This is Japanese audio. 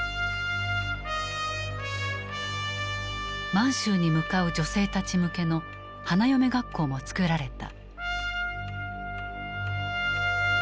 満州に向かう女性たち向けの花嫁学校もつくられた。